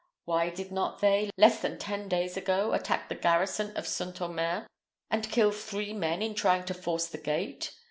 Why, did not they, less than ten days ago, attack the garrison of St. Omers, and kill three men in trying to force the gate?